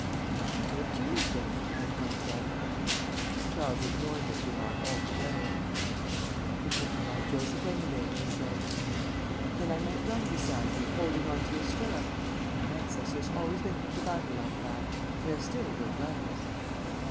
"Not until Tuesday," I pointed out. Charles ignored this remark altogether. "You couldn't ride Joseph, anyway," he said. "Then I might run beside you, holding on to your stirrup. My ancestors always went into battle like that. We are still good runners."